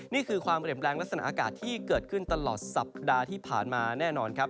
นี่คือความเหลื่อมแรงลักษณะอากาศที่เกิดขึ้นตลอดสัปดาห์ที่ผ่านมาแน่นอนครับ